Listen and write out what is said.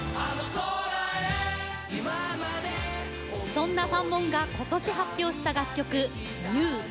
そんなファンモンが今年、発表した楽曲「ＹＯＵ」。